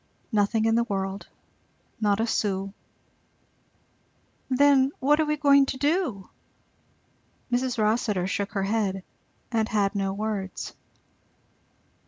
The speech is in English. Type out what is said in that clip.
"Nothing in the world not a sou." "Then what are we going to do?" Mrs. Rossitur shook her head, and had no words.